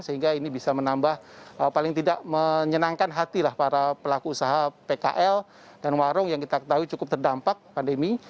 sehingga ini bisa menambah paling tidak menyenangkan hatilah para pelaku usaha pkl dan warung yang kita ketahui cukup terdampak pandemi